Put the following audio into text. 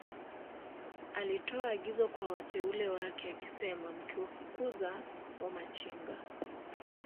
alitoa agizo kwa wateule wake akisema Mkiwafukuza Wamachinga